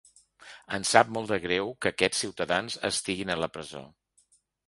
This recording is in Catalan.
Em sap molt de greu que aquests ciutadans estiguin a la presó.